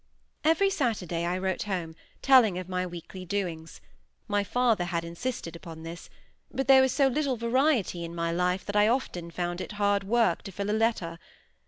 Every Saturday I wrote home, telling of my weekly doings—my father had insisted upon this; but there was so little variety in my life that I often found it hard work to fill a letter.